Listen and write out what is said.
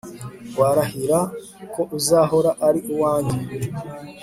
warahira ko uzahora ari uwanjye